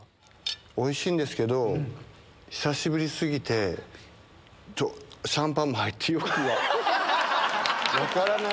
おいしいんですけど、久しぶりすぎて、ちょっと、シャンパンも入って、よく分からない。